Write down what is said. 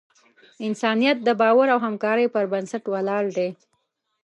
انسانیت د باور او همکارۍ پر بنسټ ولاړ دی.